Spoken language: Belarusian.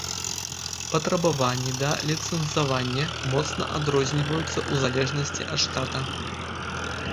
Патрабаванні да ліцэнзавання моцна адрозніваюцца ў залежнасці ад штата.